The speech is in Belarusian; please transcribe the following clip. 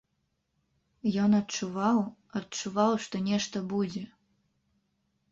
Ён адчуваў, адчуваў што нешта будзе.